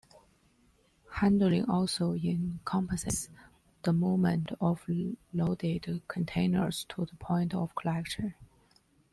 Handling also encompasses the movement of loaded containers to the point of collection.